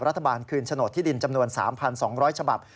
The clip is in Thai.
รัฐบาลคืนโฉนดที่ดินจำนวน๓๒๐๐ฉบับ